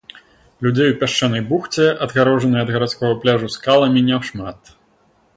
Людзей у пясчанай бухце, адгароджанай ад гарадскога пляжу скаламі, няшмат.